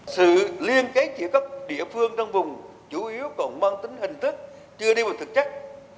sự liên kết giữa các địa phương trong vùng chủ yếu còn mang tính hình thức chưa đi vào thực chất